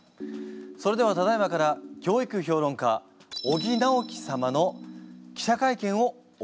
それではただ今から教育評論家尾木直樹様の記者会見を行います。